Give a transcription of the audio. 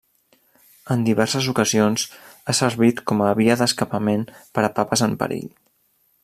En diverses ocasions ha servit com a via d'escapament per a papes en perill.